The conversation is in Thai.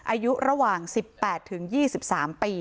อายุระหว่าง๑๘๒๓ปี